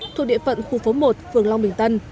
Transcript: thuộc địa phận khu phố một phường long bình tân